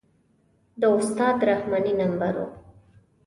د استاد رحماني نمبر و.